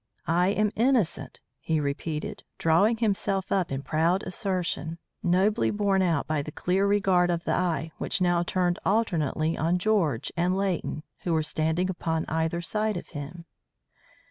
"I am innocent," he repeated, drawing himself up in proud assertion, nobly borne out by the clear regard of the eye which now turned alternately on George and Leighton, who were standing upon either side of him.